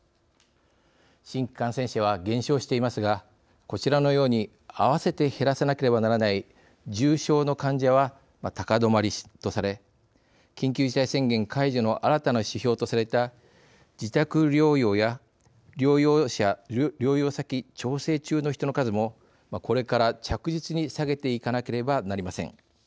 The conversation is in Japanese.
新規感染者は減少していますがこちらのように併せて、減らさなければならない重症の患者は高止まりとされ緊急事態宣言解除の新たな指標とされた自宅療養や療養先調整中の人の数もこれから着実に下げていかなければなりません。